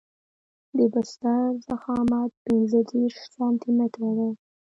د بستر ضخامت پنځه دېرش سانتي متره دی